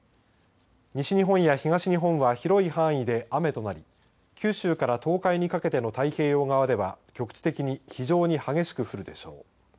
西日本や東日本は広い範囲で雨となり九州から東海にかけての太平洋側では局地的に非常に激しく降るでしょう。